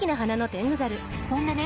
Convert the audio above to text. そんでね